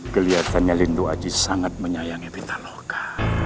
kelihatannya lindo aji sangat menyayangi pitaloka